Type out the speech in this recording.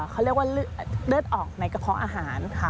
เขาเรียกว่าเลือดออกในกระเพาะอาหารค่ะ